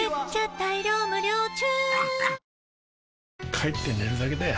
帰って寝るだけだよ